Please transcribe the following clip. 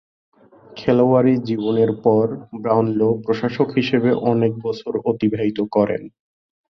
খেলোয়াড়ী জীবনের পর ব্রাউনলো প্রশাসক হিসেবে অনেক বছর অতিবাহিত করেন।